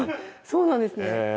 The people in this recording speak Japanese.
そうなんですね